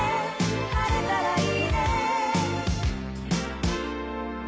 「晴れたらいいね」